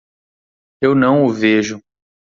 Eu não o vejo.